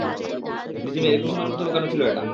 ডিমের কুসুমের মতো লুকানো ছিল এটা।